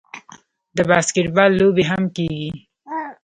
د باسکیټبال لوبې هم کیږي.